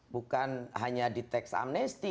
bukan hanya di teks amnesti